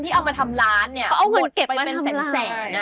แต่ว่าพอทำแล้วมันแย่